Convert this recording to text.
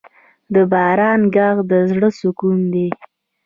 د باران ږغ د زړه سکون دی.